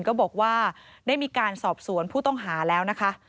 ก็บอกว่าได้มีการสอบสวนผู้ต้องหาแล้วนะคะ